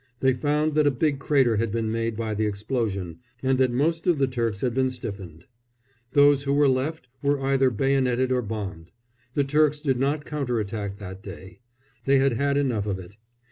They found that a big crater had been made by the explosion, and that most of the Turks had been stiffened. Those who were left were either bayoneted or bombed. The Turks did not counter attack that day. They had had enough of it.